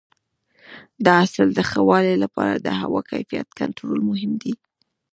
د حاصل د ښه والي لپاره د هوا کیفیت کنټرول مهم دی.